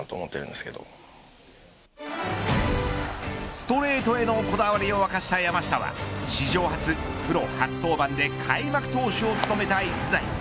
ストレートへのこだわりを明かした山下は史上初プロ初登板で開幕投手を務めた逸材。